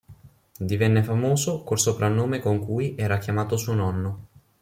Divenne famoso col soprannome con cui era chiamato suo nonno.